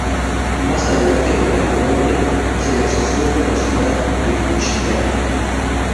Más adelante en la Colonia, se le asoció con la ciudad de Chillán.